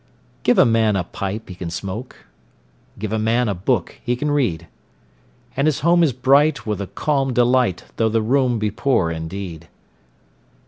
Give a man a pipe he can smoke, 5 Give a man a book he can read: And his home is bright with a calm delight, Though the room be poor indeed.